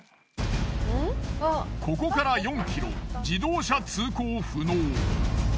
ここから４ｋｍ自動車通行不能。